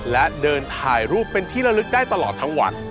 และเดินถ่ายรูปเป็นที่ละลึกได้ตลอดทั้งวัน